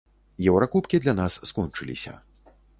Еўракубкі для нас скончыліся.